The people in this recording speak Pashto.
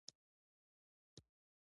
د تخار په ینګي قلعه کې مالګه شته.